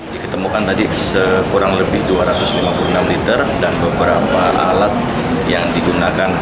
diketemukan tadi sekurang lebih dua ratus lima puluh enam liter dan beberapa alat yang digunakan